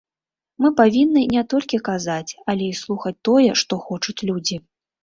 Мы павінны не толькі казаць, але і слухаць тое, што хочуць людзі.